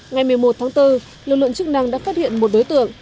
ngày một mươi một tháng bốn lực lượng chức năng đã phát hiện một đối tượng